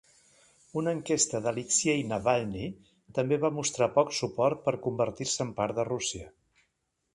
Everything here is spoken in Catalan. Una enquesta d'Alexei Navalny també va mostrar poc suport per convertir-se en part de Rússia.